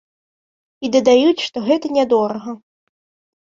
І дадаюць, што гэта нядорага.